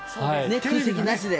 空席なしで。